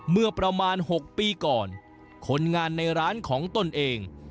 เมื่อประมาณ๖ปีก่อนคนงานในร้านของตนเอง